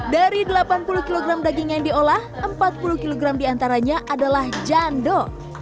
dari delapan puluh kg daging yang diolah empat puluh kg diantaranya adalah jando